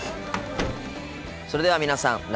それでは皆さん